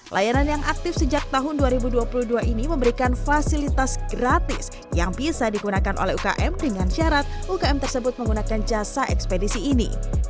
layanan yang aktif sejak tahun dua ribu dua puluh dua ini memberikan fasilitas gratis yang bisa digunakan oleh ukm dengan syarat ukm tersebut menggunakan jasa ekspedisi ini